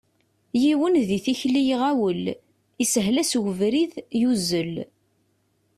Yiwen di tikli iɣawel, ishel-as ubrid, yuzzel.